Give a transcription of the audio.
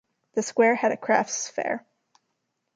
The square has a crafts fair.